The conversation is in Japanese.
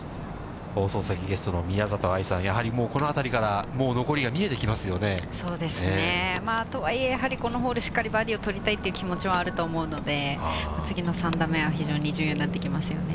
放送席ゲストの宮里藍さん、このあたりからもう残りが見えてそうですね、とはいえ、やはりこのホール、しっかりバーディーをとりたいっていう気持ちはあると思うので、次の３打目は非常に重要になってきますよね。